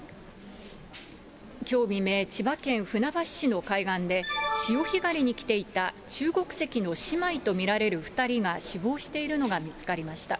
きょう未明、千葉県船橋市の海岸で、潮干狩りに来ていた中国籍の姉妹と見られる２人が死亡しているのが見つかりました。